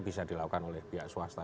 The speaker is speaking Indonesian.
bisa dilakukan oleh pihak swasta